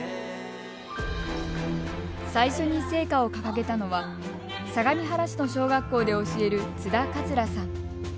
最初に聖火を掲げたのは相模原市の小学校で教える津田桂さん。